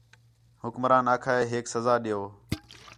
حکمران آکھا ہِے ہیک سزا ݙیؤ